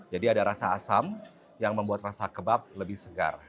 jadi ada rasa asam yang membuat rasa kebab lebih segar